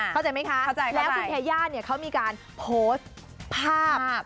เข้าใจไหมคะแล้วคุณเทย่าเนี่ยเขามีการโพสต์ภาพ